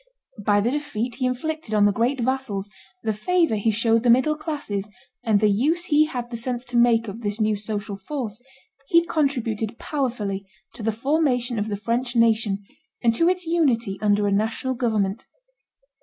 By the defeat he inflicted on the great vassals, the favor he showed the middle classes, and the use he had the sense to make of this new social force, he contributed powerfully to the formation of the French nation, and to its unity under a national government.